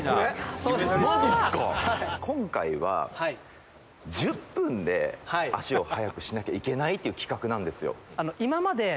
「今回は１０分で足を速くしなきゃいけないっていう企画なんですよ」